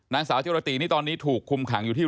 นางสาวจิรตินี่ตอนนี้ถูกคุมขังอยู่ที่